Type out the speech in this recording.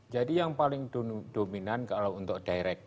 jadi yang paling dominan kalau untuk direct cost itu